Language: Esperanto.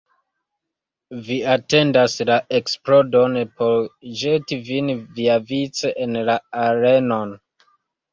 Vi atendas la eksplodon por ĵeti vin viavice en la arenon.